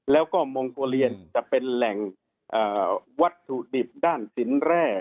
แล้วก็มองโกเลียนจะเป็นแหล่งวัตถุดิบด้านสินแร่